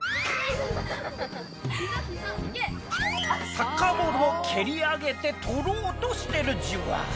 サッカーボールを蹴り上げて取ろうとしてるじわ。